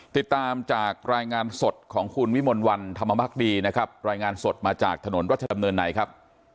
ติดตามจากรายงานสดของคุณวิมลวันธรรมพักดีนะครับรายงานสดมาจากถนนรัชดำเนินในครับ